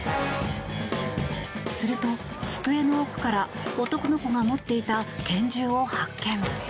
すると机の奥から男の子が持っていた拳銃を発見。